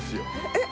えっ？